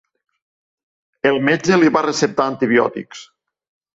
El metge li va receptar antibiòtics.